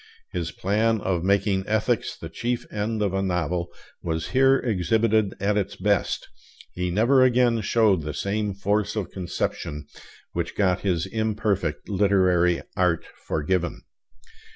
His plan of making ethics the chief end of a novel was here exhibited at its best; he never again showed the same force of conception which got his imperfect literary art forgiven.